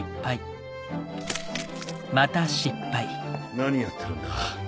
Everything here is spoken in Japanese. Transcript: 何やってるんだ？